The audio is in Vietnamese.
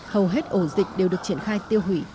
hầu hết ổ dịch đều được triển khai tiêu hủy